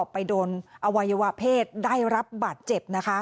ไปโดนอภัยวะเพศได้รับบาทเจ็บ